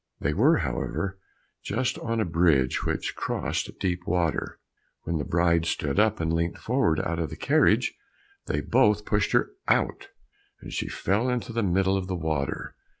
They were, however, just on a bridge, which crossed deep water. When the bride stood up and leant forward out of the carriage, they both pushed her out, and she fell into the middle of the water.